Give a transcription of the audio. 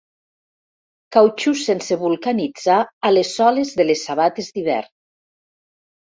Cautxú sense vulcanitzar a les soles de les sabates d'hivern.